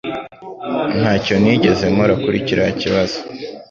Ntacyo nigeze nkora kuri kiriya kibazo